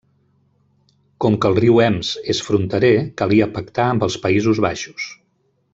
Com que el riu Ems és fronterer, calia pactar amb els Països Baixos.